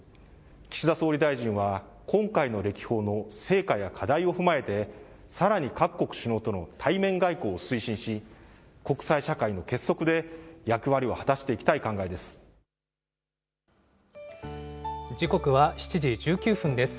岸田総理大臣は、今回の歴訪の成果や課題を踏まえて、さらに各国首脳との対面外交を推進し、国際社会の結束で、役割を果たしてい時刻は７時１９分です。